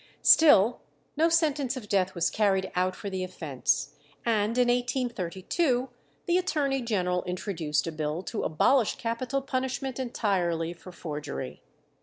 Still no sentence of death was carried out for the offence, and in 1832 the Attorney General introduced a bill to abolish capital punishment entirely for forgery.